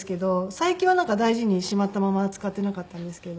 最近は大事にしまったまま使っていなかったんですけど。